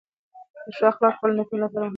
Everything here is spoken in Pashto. د ښو اخلاقو پالنه د ټولنې لپاره مهمه ده.